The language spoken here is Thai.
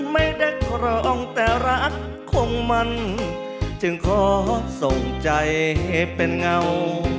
ไม่ได้ครองแต่รักคงมันจึงขอส่งใจให้เป็นเงา